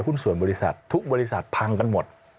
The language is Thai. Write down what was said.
หุ้นส่วนบริษัททุกบริษัทพังกันหมด